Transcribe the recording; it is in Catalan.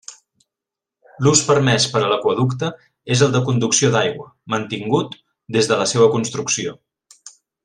L'ús permés per a l'aqüeducte és el de conducció d'aigua, mantingut des de la seua construcció.